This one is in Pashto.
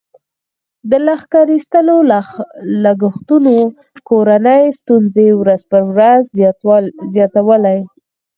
د لښکر ایستلو لګښتونو کورنۍ ستونزې ورځ په ورځ زیاتولې.